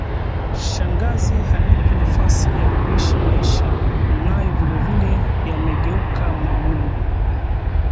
Shangazi hanipi nafasi ya kuishi, maisha nayo vilevile yamegeuka magumu